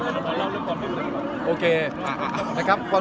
ตอนรู้สึกก่อนนะรีบเราเรียกก่อน